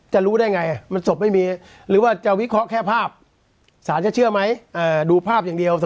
จะรู้ได้ไงมันศพไม่มี